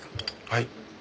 はい。